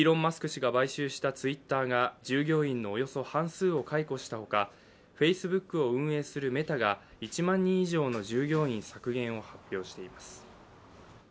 氏が買収したＴｗｉｔｔｅｒが従業員のおよそ半数を解雇したほか、Ｆａｃｅｂｏｏｋを運営するメタが１万人以上の従業員削減を発表しています。